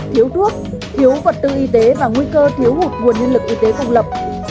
thiếu thuốc thiếu vật tư y tế và nguy cơ thiếu hụt nguồn nhân lực y tế công lập